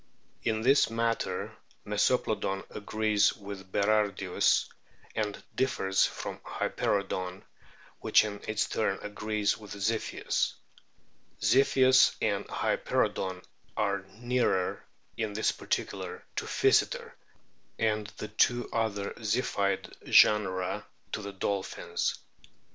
In this matter Meso plodon agrees with Berardius, and differs from Hyperoodon, which in its turn agrees with Ziphius. Ziphius and Hyperoodon are nearer in this particular to Physeter, and the two other Ziphioid genera to the dolphins.